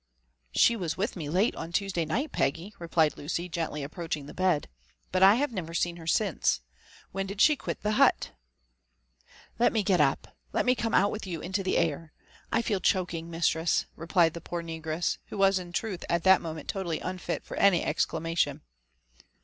''She was with me late on Tuesday night, Peggy," replied Lucy, gently approaching the bed ;*' but I have neyer seen her since. When did she quit the hut r '* Let me get up^et me come out with you into the air l «^I (eel choking, mistress !'' replied the poor negress, who was in truth at that moment totally unfit for any exclamation.